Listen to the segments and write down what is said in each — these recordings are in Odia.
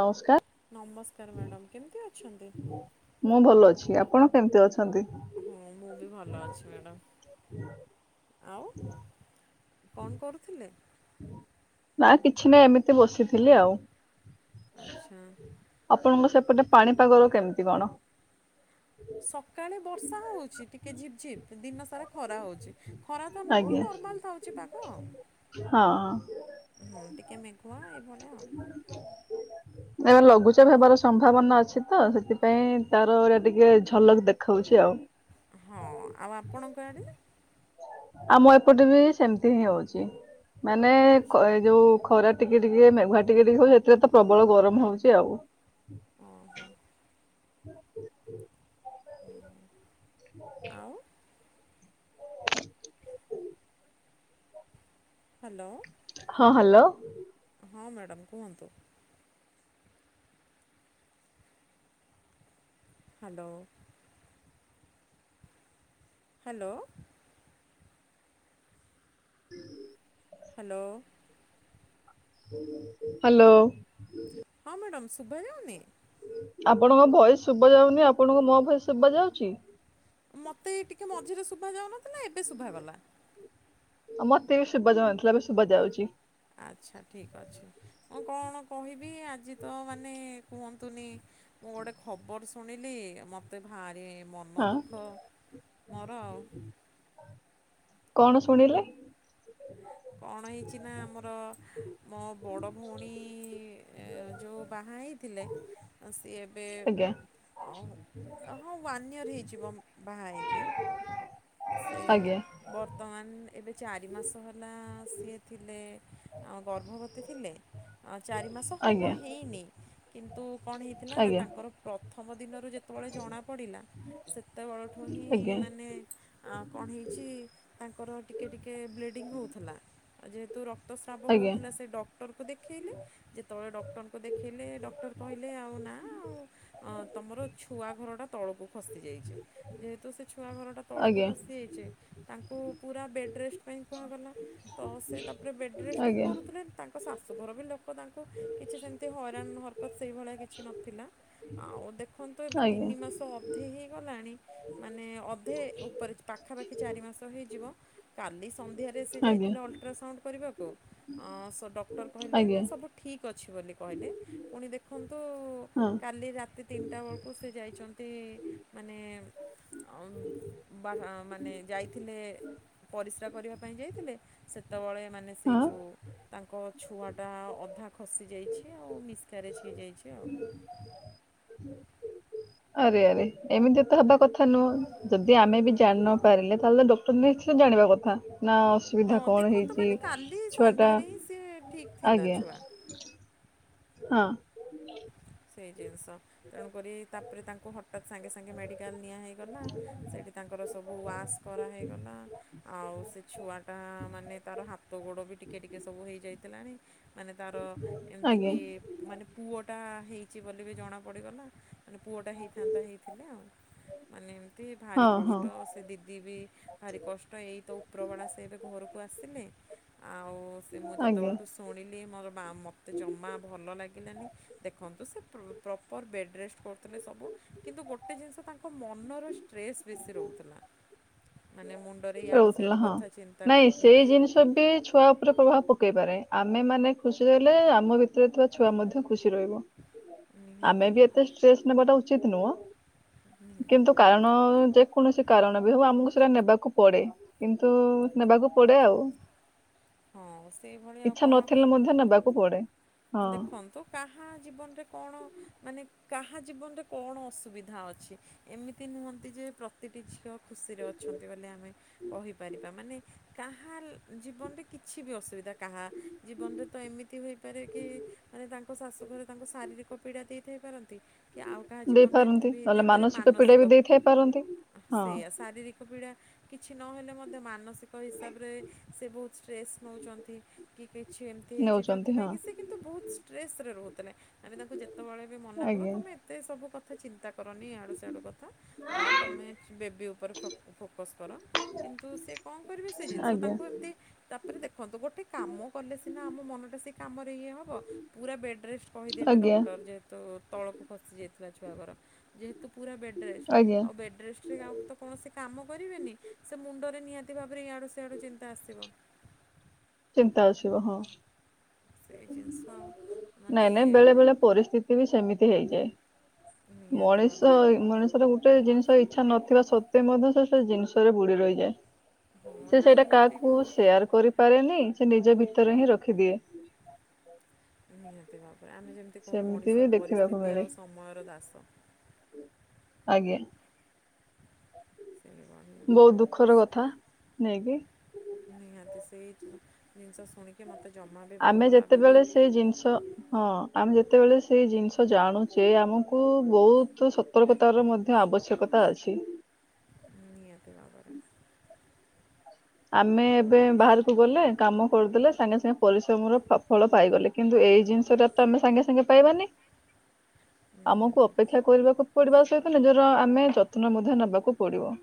ନମସ୍କାର୍। ନମସ୍କାର ମାଡାମ୍ କେମିତି ଅଛନ୍ତି? ମୁଁ ଭଲ ଅଛି ଆପଣ କେମିତି ଅଛନ୍ତି? ହଁ ମୁଁ ବି ଭଲ ଅଛି ମ୍ୟାଡାମ୍ ଆଉ କଣ କରୁଥୁଲେ? ନାଁ କିଛି ନାହିଁ ଏମିତି ବସିଥିଲି ଆଉ ଆଚ୍ଛା। ଆପଣଙ୍କ ସେପଟେ ପାଣିପାଗର କେମିତି କଣ? ସକାଳେ ବର୍ଷା ହଉଛି ଟିକେ ଝିପ୍ ଝିପ୍ ଦିନ ସାରା ଖରା ହଉଛି। ଖରା ତ ନୁହଁ ଆଜ୍ଞା ନର୍ମାଲ ଥାଉଛି ପାଗଅଁ ହଁ। ହଁ ଟିକେ ମେଘୁଆ ଏଇଭଳିଆ ଆଉ। [inaudible] ନାଁ ଏବେ ଲଘୁଚାପ ହେବାର ସମ୍ଭାବନା ଅଛି ତ ସେଥିପାଇଁ ତାର ଏରା ଟିକେ ଝଲକ୍ ଦେଖୋଉଛି ଆଉ। ହଁ ଆଉ ଆପଣଙ୍କ ଆଡେ? ଆମ ଏପଟେ ବି ସେମିତି ହିଁ ହେଁଉଛି ମାନେ ଆଚ୍ଛା ଏଁ ଯୋଉଁ ଖରା ଟିକେ ଟିକେ ମେଘୁଆ ଟିକେ ଟିକେ ହଉଛି ଏଥିରେ ତ ପ୍ରବଳ ଗରମ ହଉଛି ଆଉ। ଓ ହୋ। [inaudible] [inaudible] ଆଉ [inaudible] ହ୍ୟାଲୋ। ହଁ ହ୍ୟାଲୋ। ହଁ ମାଡାମ୍ କୁହନ୍ତୁ। ହ୍ୟାଲୋ। ହ୍ୟାଲୋ। [inaudible] ହ୍ୟାଲୋ। ହ୍ୟାଲୋ। ହଁ ମ୍ୟାଡାମ୍ ଶୁଭା ଯାଉନି? ଆପଣଙ୍କ ଭଏସ୍ ଶୁଭା ଯାଉନି ଆପଣଙ୍କୁ ମୋ ଭଏସ୍ ଶୁଭା ଯାଉଛି। ମତେ ଟିକେ ମଝିରେ ଶୁଭା ଯାଉନଥିଲା ଏବେ ଶୁଭାଗଲା। ଆଉ ମୋତେ ବି ଶୁଭା ଯାଉନଥିଲା ଏବେ ଶୁଭା ଯାଉଛି। ଆଚ୍ଛା ଠିକ୍ ଅଛି। ମୁଁ କଣ କହିବି ଆଜି ତ ମାନେ କୁହନ୍ତୁନି ମୁଁ ଗୋଟେ ଖବର୍ ଶୁଣିଲି ମତେ ଭାରି ମନ ହଁ। ଦୁଃଖ ମୋର ଆଉ କଣ ଶୁଣିଲେ? କଣ ହେଇଛି ନା ଆମର ମୋ ବଡ଼ ଭଉଣୀ ଯୋଉ ବାହା ହେଇଥିଲେ ତ ସିଏ ଏବେ ଆଜ୍ଞା ଓ ହଁ ୱାନ୍ ଇୟର୍ ହେଇଯିବ ବାହା ହେଇକି ସେ ଆଜ୍ଞା ବର୍ତ୍ତମାନ ଏବେ ଚାରି ମାସ ହେଲା ହେଲା ସିଏ ଥିଲେ ଆଉ ଗର୍ଭବତୀ ଥିଲେ। ଚାରି ମାସ ହବ ଆଜ୍ଞା ହେଇନି କିନ୍ତୁ କଣ ହେଇଥିଲା ନା ଆଜ୍ଞା ତାଙ୍କର ପ୍ରଥମ ଦିନରୁ ଯେତେ ଯେତେବେଳେ ଜଣାପଡ଼ିଲା ସେତେବେଳଠୁ ହିଁ ଆଜ୍ଞା ମାନେ ଆଉ କଣ ହେଇଛି ତାଙ୍କର ଟିକେ ଟିକେ ବ୍ଲିଡ଼ିଙ୍ଗ ହଉଥିଲା ଯେହେତୁ ରକ୍ତ ରକ୍ତ ସ୍ରାବ ଆଜ୍ଞା। ହଉଥିଲା ସେ ଡକ୍ତର ଡକ୍ଟରଙ୍କୁ ଦେଖେଇଲେ ଯେତେବେଳେ ଡକ୍ଟରଙ୍କୁ ଦେଖେଇଲେ ଡକ୍ଟର କହିଲେ ଆଉ ନା ଆଉ ତମର ଛୁଆ ଘରଟା ତଳକୁ ଖସି ଯାଇଛି ଯେହେତୁ ସେ ଛୁଆ ଘରଟା ତଳକୁ ଆଜ୍ଞା ଖସିଯାଇଛି ତାଙ୍କୁ ପୁରା ବେଡ଼ ରେଷ୍ଟ ପାଇଁ କୁହାଗଲା ତ ସେ ତା ପୁରା ବେଡ଼୍ ରେଷ୍ଟ ହିଁ ଆଜ୍ଞା କରୁଥିଲେ। ତାଙ୍କ ଶାଶୁଘର ବି ଲୋକ ତାଙ୍କୁ କିଛି ସେମିତି ହଇରାଣ ହରକତ ସେଇଭଳିଆ କିଛି ନଥିଲା। ଆଉ ଦେଖନ୍ତୁ ଏବେ ଆଜ୍ଞା ତିନି ମାସ ହବ ଅଧେ ହେଇଗଲାଣି ମାନେ ଅଧେ ଉପରେ ପାଖାପାଖି ଚାରି ମାସ ହେଇଯିବ। କାଲି ସନ୍ଧ୍ୟାରେ ସେ ଆଜ୍ଞା ଯାଇଥିଲା ଅଲଟ୍ରାସାଉଣ୍ଡ କରିବାକୁ ଆଁ ସେ ଡକ୍ଟର କହିଲେ ଆଜ୍ଞା ନା ସବୁ ଠିକ୍ ଅଛି ବୋଲି କହିଲେ ପୁଣି ଦେଖନ୍ତୁ ହଁ କାଲି ରାତି ତିନିଟା ବେଳକୁ ସେ ଯାଇଛନ୍ତି ମାନେ ବା ମାନେ ଯାଇଥିଲେ ପରିସ୍ରା କରିବା ପାଇଁ ଯାଇଥିଲେ ସେତେବେଳେ ମାନେ ସେଇ ହଁ। ଯୋଉ ତାଙ୍କ ଛୁଆଟା ଅଧା ଖସିଯାଇଛି ଆଉ ମିସ୍କାରେଜ ହେଇଯାଇଛି ଆଉ। ଆରେ ଆରେ ଏମିତି ତ ହେବା କଥା ନୁହଁ ଯଦି ଆମେ ବି ଜାଣିନୁ ପାରିଲେ ତାହେଲେ ଡକ୍ଟର ନିଶ୍ଚିତ ଜାଣିବା କଥା ନା ହଁ ଅସୁବିଧା କଣ ଦେଖନ୍ତୁ ହେଇଛି ମାନେ କାଲି ଛୁଆ ଟା ସନ୍ଧ୍ୟାରେ ହିଁ ସିଏ ଠିକ ଥିଲା ଆଜ୍ଞା ଛୁଆ। ହଁ ସେଇ ଜିନିଷ ତେଣୁକରି ତାପରେ ତାଙ୍କୁ ହଠାତ୍ ସାଙ୍ଗେ ସାଙ୍ଗେ ମେଡ଼ିକାଲ ନିଆ ହେଇଗଲା ସେଇଠି ତାଙ୍କର ସବୁ ୱାସ୍ କରାହେଇଗଲା। ଆଉ ସେ ଛୁଆ ଟା ମାନେ ତାର ହାତ ଗୋଡ ବି ଟିକେ ଟିକେ ସବୁ ହେଇଯାଇଥିଲାଣି। ମାନେ ତାର ଆଜ୍ଞା ଏମିତିକି ମାନେ ପୁଅଟା ହେଇଛି ବୋଲି ବି ଜଣାପଡ଼ିଗଲା। ମାନେ ପୁଅଟା ହେଇଥାନ୍ତା ହେଇଥିଲେ ଆଉ ମାନେ ଏମିତି ଭାରି ହଁ ହଁ କଷ୍ଟ ସେ ସେ ଦିଦି ବି ଭାରି କଷ୍ଟ ଏଇ ତ ଉପରବେଳା ସେ ଏବେ ଘରକୁ ଆସିଲେ ଆଉ ସେ ମୁଁ ଆଜ୍ଞା ଯେତେବେଳଠୁ ଶୁଣିଲି ମୋର ବା ମୋତେ ଜମା ଭଲ ଲାଗିଲାନି। ଦେଖନ୍ତୁ ସେ ପ୍ରପର୍ ବେଡ଼ ରେଷ୍ଟ କରୁଥିଲେ ସବୁ କିନ୍ତୁ ଗୋଟେ ଜିନିଷ ତାଙ୍କ ମନର ଷ୍ଟ୍ରେସ୍ ବେଶୀ ରହୁଥିଲା ମାନେ ମୁଣ୍ଡରେ ଇଆଡ଼ୁ ସିଆଡ଼ୁ କଥା ଚିନ୍ତା କରିକି ଫିର୍ ବି ଛୁଆ ଉପରେ ପ୍ରଭାବ ପକେଇ ପାରେ ଆମେ ମାନେ ଖୁସି ରହିଲେ ଆମ ଭିତରେ ଥିବା ଛୁଆ ମଧ୍ୟ ଖୁସି ରହିବ ଆମେ ନିହାତି ବି ଏତେ ଷ୍ଟ୍ରେସ ନେବାଟା ଉଚିତ ନୁହଁ ନିହାତି କିନ୍ତୁ ଭାବରେ କାରଣ ଯେ କୌଣସି କାରଣ ବି ହଉ ଆମକୁ ସେଇଟା ନେବାକୁ ପଡେ କିନ୍ତୁ ନେବାକୁ ପଡେ ଆଉ। ହଁ ସେଇଭଳି ଆଉ ଇଚ୍ଛା କ'ଣ ନଥିଲେ ମଧ୍ୟ ନେବାକୁ ପଡେ ହଁ ଦେଖନ୍ତୁ କାହା ଜୀବନରେ କଣ ମାନେ କାହା ଜୀବନରେ କଣ ଅସୁବିଧା ଅଛି ଏମିତି ନୁହନ୍ତି ଯେ ପ ପ୍ରତିଟି ଝିଅ ଖୁସିରେ ଅଛନ୍ତି ବୋଲି ଆମେ କହିପାରିବା ମାନେ କାହା ଜୀବନରେ କିଛି ବି ଅସୁବିଧା କାହା ଜୀବନରେ ତ ଏମିତି ହୋଇପାରେ କି ମାନେ ତାଙ୍କ ଶାଶୁଘରେ ତାଙ୍କୁ ଶାରୀରିକ ପୀଡ଼ା ଦେଇଥାଇ ପାରନ୍ତି କି ଆଉ କାହା ଜୀବନରେ ଏମିତି ଦେଇପାରନ୍ତି ବି ନହେଲେ ହେଇଥାଇପାରେ ପୀଡା ମାନସିକ ବି ଦେଇଥାଇ ପାରନ୍ତି ହଁ ସେୟା ଶାରୀରିକ ପୀଡା କିଛି ନହେଲେ ମଧ୍ୟ ମାନସିକ କ ହିସାବରେ ସେ ବହୁତ ଷ୍ଟ୍ରେସ୍ ନଉଛନ୍ତି କି କିଛି ଏମିତି ହେଇଛି ନେଉଛନ୍ତି ଯୋଉଥିପାଇଁ ହଁ କି ସେ କିନ୍ତୁ ବହୁତ ଷ୍ଟ୍ରେସ୍ ରେ ରହୁଥିଲେ ଆମେ ତାଙ୍କୁ ଯେତେବେଳେ ବି ମନା କରୁ ଆଜ୍ଞା ତମେ ଟେ ସବୁ କଥା ଚିନ୍ତା କରନି ୟାଡ଼ୁ ସ୍ୟାଡ଼ୁ କଥା ଆଉ ତମେ ବେବି ପ୍ର ଉପରେ ଫୋକସ୍ କର କିନ୍ତୁ ସେ କଣ କରିବେ ସେ ଜିନିଷ ଆଜ୍ଞା ତାଙ୍କୁ ଏମିତି ତାପରେ ଦେଖନ୍ତୁ ଗୋଟେ କାମ କଲେ ସିନା ଆମ ମନଟା ସେ କାମରେ ଇଏ ହବ ପୁରା ବେଡ୍ ରେଷ୍ଟ କହିଦେଲେ ଆଜ୍ଞା ଡକ୍ଟର ଯେହେତୁ ତଳକୁ ଫସି ଯାଇଥିଲା ଛୁଆଘର ଯେହେତୁ ପୁରା ବେଡ୍ ରେଷ୍ଟ୍ ଆଜ୍ଞା ଆଉ ବେଡ୍ ରେଷ୍ଟରେ ଆଉ ତ କୌଣସି କାମ କରିବେନି ସେ ମୁଣ୍ଡରେ ନିହାତି ନିହାତି ଭାବରେ ଇଆଡ଼ୁ ସେଆଡ଼ୁ ଚିନ୍ତା ଆସିବ ଚିନ୍ତା ଅସିବ ହଁ [unintelligible] ସେଇ ଜିନିଷ ନାଇଁ ମାନେ ନାଇଁ ବେଳେ ବେଳେ ପରିସ୍ଥିତି ବି ସେମିତି ହେଇଯାଏ ନିହାତି ମଣିଷ ଭାବରେ ଏଇ ମଣିଷର ଗୋ ଟେ ଜିନିଷ ଇଛା ନଥିବା ସତ୍ତ୍ୱେ ମଧ୍ୟ ସେ ଜିନିଷରେ ବୁଡି ରହିଯାଏ ହଁ ସେ ଆମେ ସେଇଟା ଯେମିତି କାହାକୁ କହୁ ସେୟାର କରିପାରେନି ସେ ନିଜ ଭିତରେ ହିଁ ରଖିଦିଏ ନିହାତି ଭାବରେ ଆମେ ଯେମିତି କହୁ ସେମିତି ବି ମଣିଷ ଦେଖିବାକୁ ପରିସ୍ଥିତି ମିଳେ ଆଉ ସମୟର ଦାସ ଆଜ୍ଞା ସେନବା [unintelligible] ବହୁତ୍ ଦୁଃଖର କଥା ନେଇକି ନିହାତି ସେଇ ଯୋଉ ଜିନିଷ ଶୁଣି ଆମେ ଯେତେବେଳେ ସେ ଜିନିଷ ହଁ ଆମେ ଯେତେବେଳେ ସେଇ ଜିନିଷ ଜାଣୁଚେ ଆମକୁ ବୋହୁତ ସତର୍କତାର ମଧ୍ୟ ଆବଶ୍ୟକ ତା ଅଛି ନିହାତି ଭାବରେ ଆମେ ଏବେ ବାହାରକୁ ଗଲେ କାମ କରିଦଲେ ସାଙ୍ଗେ ସାଙ୍ଗେ ପରିଶ୍ରମ ର ଫ ଫଳ ପାଇଗଲେ କିନ୍ତୁ ଏଇ ଜିନିଷଟା ତ ଆମେ ସାଙ୍ଗେ ସାଙ୍ଗେ ପାଇବାନି [inaudible] ଆମକୁ ନିହାତି ଅପେକ୍ଷା କରିବାକୁ ପଡିବା ସହିତ ନିଜର ଆମେ ଯତ୍ନ ମଧ୍ୟ ନେବାକୁ ପଡିବ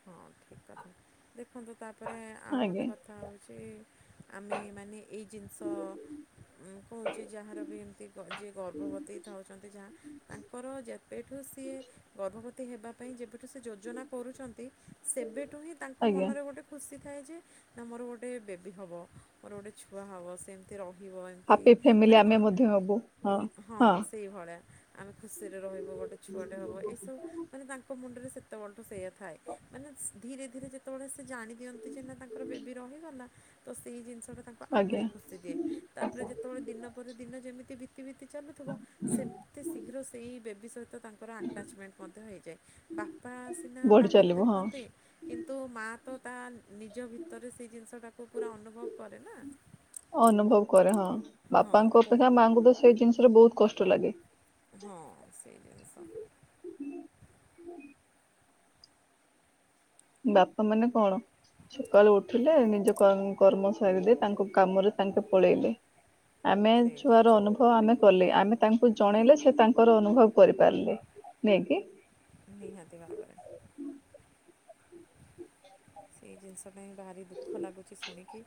ହଁ ଠିକ୍ କଥା ଦେଖନ୍ତୁ ତାପରେ ଆଉ ଆଜ୍ଞା ଗୋଟେ କଥା ହେଉଛି ଆମେ ମାନେ ଏଇ ଜିନିଷ ମୁଁ କହୁଛି ଯାହାର ବି ଏମିତି ଗ ଯିଏ ଗର୍ଭବତୀ ଥାଉଛନ୍ତି ଯାହା ଆଙ୍କର ଯେବେଠୁ ସିଏ ଗର୍ଭବତୀ ହେବା ପାଇଁ ଯେବେଠୁ ସେ ଯୋଜନା କରୁଚନ୍ତି ସେବେଠୁ ହିଁ ତାଙ୍କ ଆଜ୍ଞା। ମନରେ ଗୋଟେ ଖୁସି ଥାଏ ଯେ ନା ମୋର ଗୋଟେ ବେବି ହେବ ମୋର ଗୋଟେ ଛୁଆ ହବ ସେମ ତେ ରହିବ ଏମିତି ହାପି ଫ୍ୟାମିଲି ମାନେ ଆମେ କଣ ମଧ୍ୟ ହବୁ ହଁ ସେଇଭଳିଆ ଆମେ ଖୁସିରେ ରହିବୁ ଗୋଟେ ଛୁଆଟେ ହବ ଏସବୁ ମାନେ ତାଙ୍କ ମୁଣ୍ଡରେ ସେତେବେଳଠୁ ସେଇଆ ଥାଏ ମାନେ ଧୀରେ ଧୀରେ ଯେତେ ଯେତେବେଳେ ସେ ଜାଣି ଦିଅନ୍ତି ଯେ ନା ତାଙ୍କର ବେବି ରହିଗଲା ତ ସେଇ ଜିନିଷଟା ତାଙ୍କ ଆଜ୍ଞା ଆହୁରି ଖୁସି ଦିଏ ତାପରେ ଯେତେବେଳେ ଦିନ ପରେ ଦିନ ଯେମିତି ବି ବିତି ବିତି ଚାଲୁଥିବ ସେମିତି ଶୀଘ୍ର ସେଇ ବେବି ସହିତ ତାଙ୍କର ଆ ଟାଚମେଣ୍ଟ ମଧ୍ୟ ହେଇଯାଏ ବାପା ସିନା ଗଢି ବାହାରୁ ଚାଲିବ ହଁ ଦେଖନ୍ତି। କିନ୍ତୁ ମାଆ ତ ତା ନିଜ ଭିତରେ ସେ ଜିନିଷଟାକୁ ପୁରା ଅନୁଭବ କରେ ନା? ଅନୁଭବ କରେ ହଁ ହଁ ବାପାଙ୍କ ପୁ- ଅପେକ୍ଷା ମାଆଙ୍କୁ ତ ସେଇ ଜିନିଷରେ ବହୁତ କଷ୍ଟ ଲାଗେ। ହଁ ସେଇ ଜିନିଷ। ବାପା ମାନେ କଣ? ସକାଳୁ ଉଠିଲେ ନିଜ କର୍ମ କର୍ମ ସାରିଦେଇ ତାଙ୍କ କାମରେ ତାଙ୍କେ ପଳେଇଲେ। ଆମେ ସେଇ ଛୁଆର ଜିନିଷ ଅନୁଭ ଆମେ କଲେ ଆମେ ତାଙ୍କୁ ଜଣେଇଲେ ସେ ତାଙ୍କର ଅନୁଭବ କରିପାରିଲେ ନେକି? ନିହାତି ଭାବରେ। ଏଇ ଜିନିଷ ପାଇଁ ଭାରି ଦୁଃଖ ଲାଗୁଛି ଶୁଣିକି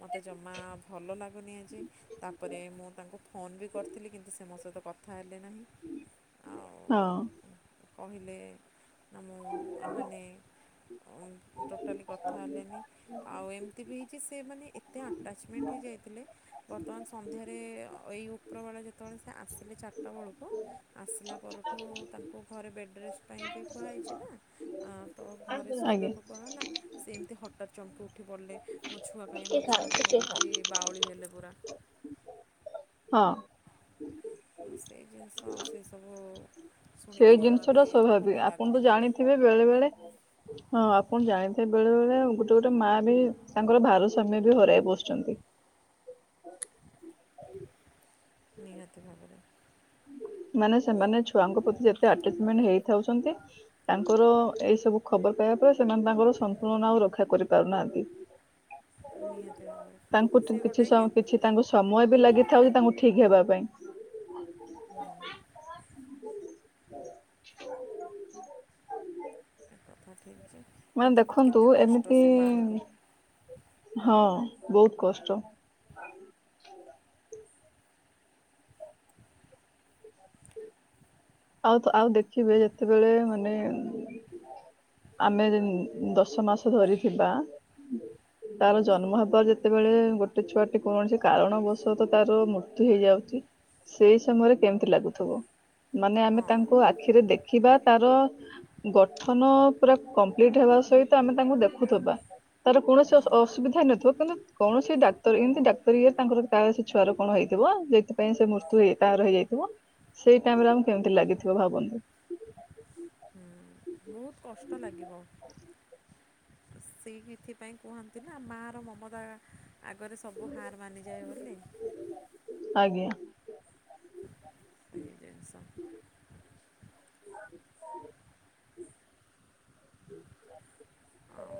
ମୋତେ ଜମା ଭଲ ଲାଗୁନି ଆଜି। ତାପରେ ମୁଁ ତାଙ୍କୁ ଫୋନ ବି କରିଥିଲି କିନ୍ତୁ ସେ ମୋ ସହିତ କ ଥା ହେଲେ ନାହିଁ ଆଉ ହଁ କହିଲେ ଆ ମୁଁ ମାନେ ଟୋଟାଲି କଥା ହେଲେନି। ଆଉ ଏମିତି ବି ହେଇଛି ସେ ମାନେ ଏତେ ଆଟାଚମେଣ୍ଟ ହେଇ ଯାଇଥିଲେ। ବର୍ତ୍ତମାନ ସନ୍ଧ୍ୟାରେ ଏଇ ଉପରବେଳେ ଯେତେବେଳେ ସେ ଆସିଲେ ଚାରିଟା ବେଳକୁ ଆସିଲା ପରଠୁ ତାଙ୍କୁ ଘରେ ବେଡ଼ ରେଷ୍ଟ ପାଇଁ ବି କୁହାଯାଇଛି ନା। ତ ଘରେ ଆଜ୍ଞା ଶୋଇବାକୁ କୁହାହେଲା ସେ ଏମିତି ହଠାତ୍ ଚମକି ଉଠି ବଡ଼ିଲେ ମୋ ଛୁଆ ପାଇଁ ମୋ ଛୁଆ ପାଇଁ ଏମିତି ବାଉଳି ହେଲେ ପୁରା। ହଁ। ସେଇ ଜିନିଷ ଆଉ ସେ ସବୁ ସେଇ ଜିନିଷ ଟା ସ୍ୱାଭାବିକ ଆପଣ ତ ମୋତେ ଜାଣିଥିବେ ବେଳେ ବେଳେ ହଁ ଆପଣ ଜାଣିଥିବେ ବେଳେ ବେଳେ ଗୋଟେ ଗୋଟେ ମା ବି ତାଙ୍କର ଭାରସ୍ୱାମ୍ୟ ବି ହରାଇ ବସୁଛନ୍ତି। ନିହାତି ଭାବରେ ମାନେ ସେମାନେ ଛୁଆଙ୍କ ପ୍ରତି ଯେତେ ଆଟଚମେଣ୍ଟ ହେଇଥାଉଛନ୍ତି? ତାଙ୍କର ଏଇ ସବୁ ଖବର ପାଇବା ପରେ ସେମାନେ ତାଙ୍କର ସନ୍ତୁଳନ ଆଉ ରକ୍ଷା କରିପାରୁନାହାନ୍ତି। ନିହାତି ଭାବରେ। ତାଙ୍କୁ ସେ କିଛି ଗୋଟେ କେ କିଛି ତାଙ୍କୁ ସମୟ ବି ଲାଗିଥାଉଛି ତାଙ୍କୁ ଠିକ ହେବା ପାଇଁ। ହୁଁ ଏ କଥା ଠିକ ଯେ ମାନେ କିନ୍ତୁ ଦେଖନ୍ତୁ କେତେ କଷ୍ଟ ଏମିତି ସେ ମାଆଙ୍କୁ ହଁ ବହୁତ କଷ୍ଟ। ଆଉ ଆଉ ଦେଖିବେ ଯେତେବେଳେ ମାନେ ଆମେ ଦଶ ମାସ ଧରିଥିବା ତାର ଜନ୍ମ ହବାର ଯେତେବେଳେ ଗୋଟେ ଛୁଆଟି କୌଣସି କାରଣବଶତଃ ତାର ମୃତ୍ୟୁ ହେଇଯାଉଛି ସେଇ ସମୟରେ କେମିତି ଲାଗୁଥିବ ମାନେ ଆମେ ହଁ ତାଙ୍କୁ ଆଖିରେ ଦେଖିବା ତାର ଗଠନ ପୁରା କମ୍ପ୍ଲିଟ ହେବା ସହିତ ଆମେ ତାଙ୍କୁ ଦେଖୁଥିବା। ତାର କୌଣସି ନିହାତି ଅସୁବିଧା ହେଇ ନଥିବ କିନ୍ତୁ କୌଣସି ଡାକ୍ତର ଏମିତି ଡାକ୍ତର ଇଏ ତାଙ୍କର ତାର ସେ ଛୁଆର କଣ ହେଇଥିବ ସେଇଥିପାଇଁ ସେ ମୃତ୍ୟୁ ତାର ହେଇଯାଇଥିବ। ସେଇ ଟାଇମ ରେ ଆମକୁ କେମିତି ଲାଗିଥିବ ଭାବନ୍ତୁ। ହୁଁ [inaudible] ବହୁତ କଷ୍ଟ ଲାଗିବ। ସେଇ ଏଥିପାଇଁ କୁହନ୍ତି ନା ମାଆର ମମତା ଆଗରେ ସବୁ ହାର ମାନିଯାଏ ବୋଲି। ଆଜ୍ଞା। ସେସ [unintelligible] ଆଉ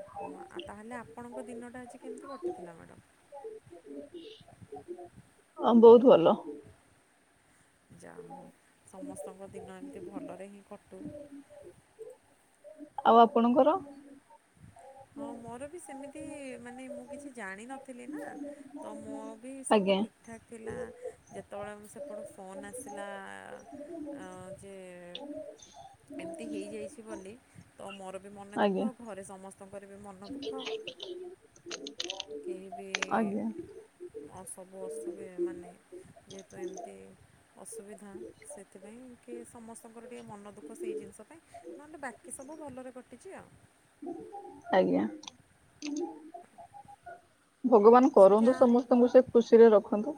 ଆଉ ତାହେଲେ ଆପଣଙ୍କ ଦିନଟା ଆଜି କେମିତି କଟିଥିଲା ମ୍ୟାଡ଼ାମ? ଅ ବହୁତ ଭଲ। ଯା ହଉ ସମସ୍ତଙ୍କ ଦିନ ଏମିତି ଭଲରେ ହିଁ କଟୁ। ଆଉ ଆପଣଙ୍କର? ହଁ ମୋର ବି ସେମିତି ମାନେ ମୁଁ କିଛି ଜାଣିନଥିଲି ନା ତ ମୋ ବି ସବୁ ଆଜ୍ଞା ଠିକ୍ ଠାକ ଥିଲା। ଯେତେବଳେ ମୁଁ ସେପଟ ଫୋନ୍ ଆସିଲା ଅ ଯେ ଏମତି ହେଇଯାଇଚି ବୋଲି ତ ମୋର ବି ମନ ଆଜ୍ଞା ଦୁଃଖ ଘରେ ସମସ୍ତ [inaudible] କେହି ବି ଆଜ୍ଞା ଆ ସବୁ ଅଶୁ ବି ମାନେ ଯେହେତୁ ଏମତି ଅସୁବିଧା ସେଥିପାଇଁ କି ସମସ୍ତଙ୍କର ଟିକେ ମନ ଦୁଃଖ ସେଇ ଜିନଷ ପାଇଁ। ନହେଲେ ବାକି ସବୁ ଭଲରେ କଟିଚି ଆଉ। ଆଜ୍ଞା। ଭଗବାନ ସେ କରନ୍ତୁ ଯାହା ସମସ୍ତଙ୍କୁ ସେ ଖୁସିରେ ରଖନ୍ତୁ।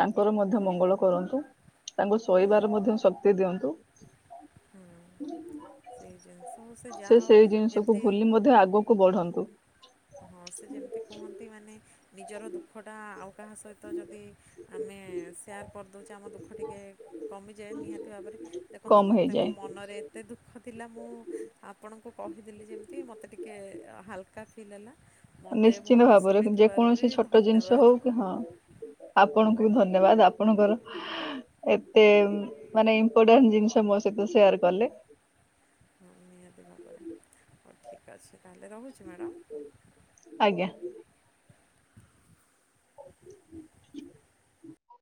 ତାଙ୍କର ହୁଁ ମଧ୍ୟ ମଙ୍ଗଳ କରନ୍ତୁ ତାଙ୍କୁ ହୁଁ ଶୋଇବାର ମଧ୍ୟ ଶକ୍ତି ଦିଅନ୍ତୁ। ହୁଁ ସେଇ ଜିନଷ ହଉ ସେ ଯାହା ହଉ ଯେମତି କୁ ବଢନ୍ତୁ। ହଁ ସେ ଯେମିତି କୁହନ୍ତି ମାନେ ନିଜର ଦୁଃଖଟା ଆଉ କାହା ସହିତ ଯଦି ଆମେ ସେୟାର କରିଦଉଚେ ଆମ ଦୁଃଖ ଟିକେ କମିଯାଏ ନିହାତି ଭାବରେ ଦେଖନ୍ତୁ କମ ମୋତେ ମୋ ହେଇଯାଏ। ମନରେ ମୋତେ ଦୁଃଖ ଥିଲା ମୁଁ ଆପଣଙ୍କୁ କହିଦେଲି ଯେମିତି ମୋତେ ଟିକେ ହାଲକା ଫିଲ୍ ହେଲା। ମୋତେ ନିଶ୍ଚିନ୍ତ ଭଲରେ ଭାବରେ ଶୁଣିଥିବାରୁ ବି ଯେକୌଣସି ଛୋଟ ଜିନଷ ଧନ୍ୟବାଦ ହଉ କୁ ହଁ ଆପଣଙ୍କୁ ଧନ୍ୟବାଦ ଆପଣଙ୍କର ଏତେ ମାନେ ଇପୋଟାଣ୍ଟ ଜିନିଷ ମୋ ସହିତ ସେୟାର କଲେ। ହଁ ନିହାତି ଭାବରେ ହଉ ଠିକ୍ ଅଛି ତେହେଲେ ରହୁଚି ମ୍ୟାଡାମ। ଆଜ୍ଞା।